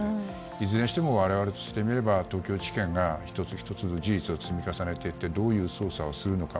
いずれにしても我々からしてみれば東京地検が１つ１つ事実を積み重ねてどういう捜査をするのか。